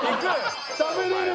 食べれる。